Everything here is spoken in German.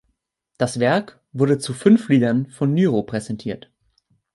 Das Werk wurde zu fünf Liedern von Nyro präsentiert.